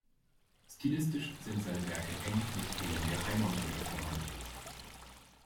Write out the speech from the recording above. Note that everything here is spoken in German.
Stilistisch sind seine Werke eng mit denen der Haimon-Gruppe verwandt.